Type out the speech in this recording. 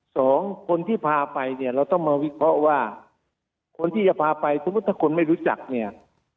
สองคนที่พาไปเนี่ยเราต้องมาวิเคราะห์ว่าคนที่จะพาไปสมมุติถ้าคนไม่รู้จักเนี่ย